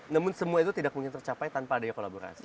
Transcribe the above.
namun semua itu tidak mungkin tercapai tanpa adanya kolaborasi